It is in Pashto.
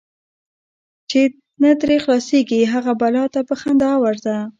چی نه ترې خلاصیږې، هغی بلا ته په خندا ورځه .